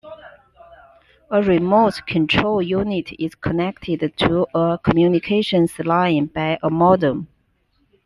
A "remote" control unit is connected to a communications line by a modem.